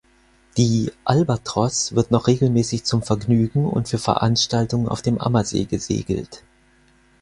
Die "Albatros" wird noch regelmäßig zum Vergnügen und für Veranstaltungen auf dem Ammersee gesegelt.